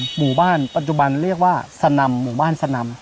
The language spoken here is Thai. หมู่บ้านปัจจุบันเรียกว่าสนำหมู่บ้านสนำ